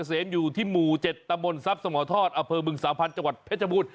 ตลาดเกษมอยู่ที่หมูเจ็ดตะมนต์ทรัพย์สมทรศอเภอบึงสาวพันธ์จังหวัดเพชรบูรณ์